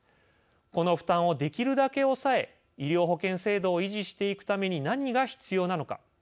この負担をできるだけ抑え医療保険制度を維持していくために何が必要なのか。